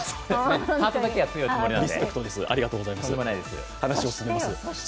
ハートだけは強いつもりなんで。